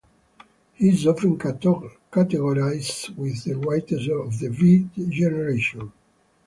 He is often categorized with the writers of the Beat Generation.